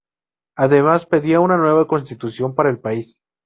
Además, pedía una nueva constitución para el país.